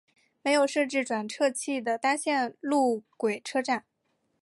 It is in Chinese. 没有设置转辙器的单线路轨车站。